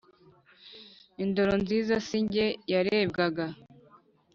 indoro nziza si njye yarebwaga,